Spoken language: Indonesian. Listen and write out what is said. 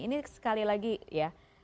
ini sekali lagi ya